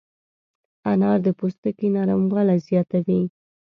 انار د پوستکي نرموالی زیاتوي.